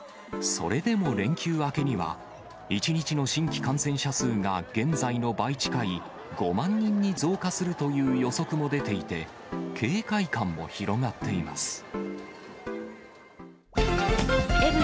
それでも連休明けには、１日の新規感染者数が現在の倍近い５万人に増加するという予測も出ていて、警戒感も広がっています。